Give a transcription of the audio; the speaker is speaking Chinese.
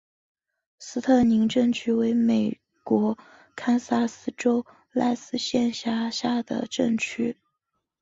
斯特宁镇区为美国堪萨斯州赖斯县辖下的镇区。